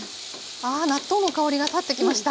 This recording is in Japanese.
あ納豆の香りが立ってきましたね。